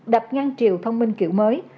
đập ngăn triều thông minh kiểu mới